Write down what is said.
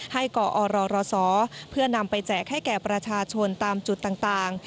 กอรศเพื่อนำไปแจกให้แก่ประชาชนตามจุดต่าง